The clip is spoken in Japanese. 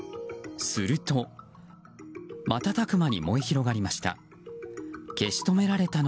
すると瞬く間に燃え広がりました。